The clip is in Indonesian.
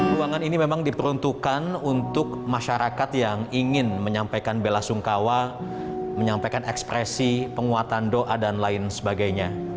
ruangan ini memang diperuntukkan untuk masyarakat yang ingin menyampaikan bela sungkawa menyampaikan ekspresi penguatan doa dan lain sebagainya